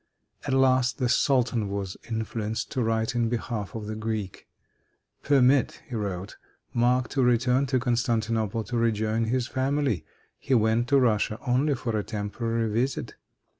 At last the sultan was influenced to write in behalf of the Greek. "Permit," he wrote, "Marc to return to Constantinople to rejoin his family. He went to Russia only for a temporary visit."